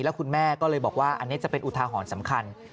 แล้วคุณแม่ก็เลยบอกว่าอันนี้จะเป็นอุทาหรณ์สำคัญ